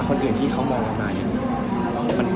คนอื่นที่เขามองเรามา